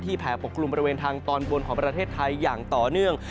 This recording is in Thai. แผ่ปกกลุ่มบริเวณทางตอนบนของประเทศไทยอย่างต่อเนื่อง